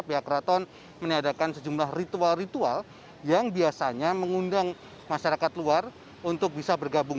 pihak keraton meniadakan sejumlah ritual ritual yang biasanya mengundang masyarakat luar untuk bisa bergabung